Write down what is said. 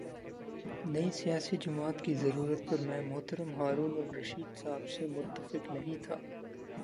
نئی سیاسی جماعت کی ضرورت پر میں محترم ہارون الرشید صاحب سے متفق نہیں تھا۔